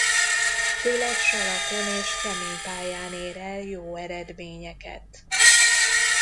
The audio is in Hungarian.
Főleg salakon és kemény pályán ér el jó eredményeket.